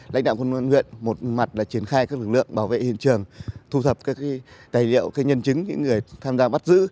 lãnh đạo quân huyện một mặt là triển khai các lực lượng bảo vệ hiện trường thu thập các tài liệu nhân chứng những người tham gia bắt giữ